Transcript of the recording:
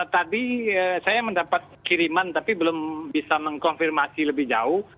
tadi saya mendapat kiriman tapi belum bisa mengkonfirmasi lebih jauh